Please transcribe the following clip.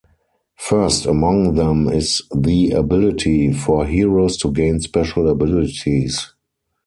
First among them is the ability for heroes to gain special abilities.